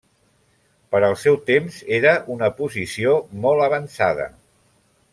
Per al seu temps era una posició molt avançada.